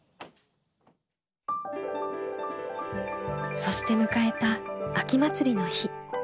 そして迎えた秋祭りの日。